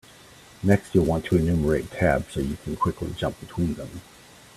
Next, you'll want to enumerate tabs so you can quickly jump between them.